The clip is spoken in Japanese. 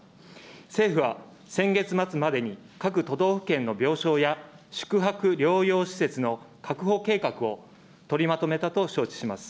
政府は先月末までに、各都道府県の病床や宿泊療養施設の確保計画を取りまとめたと承知します。